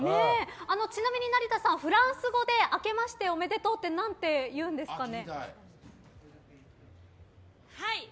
ちなみに成田さんフランス語であけましておめでとうって何て言うんですかね？